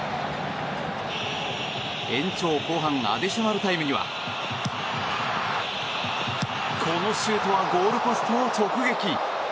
延長後半アディショナルタイムにはこのシュートはゴールポストを直撃。